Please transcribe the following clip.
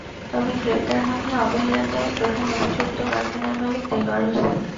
তবে গ্রেপ্তার হননি অবহেলার দায়ে প্রধান অভিযুক্ত কারখানার মালিক দেলোয়ার হোসেন।